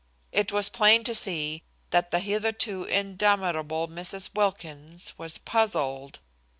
It was plain to see that the hitherto indomitable Mrs. Wilkins was puzzled.